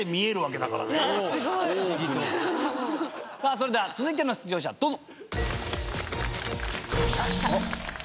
それでは続いての出場者どうぞ。